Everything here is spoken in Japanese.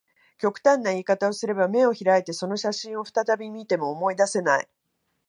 極端な言い方をすれば、眼を開いてその写真を再び見ても、思い出せない